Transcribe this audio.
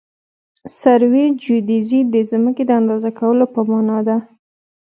سروي جیودیزي د ځمکې د اندازه کولو په مانا ده